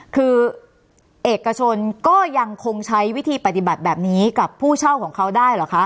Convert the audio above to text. คือเอกชนก็ยังคงใช้วิธีปฏิบัติแบบนี้กับผู้เช่าของเขาได้เหรอคะ